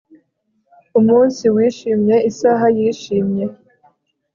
Umunsi wishimye isaha yishimye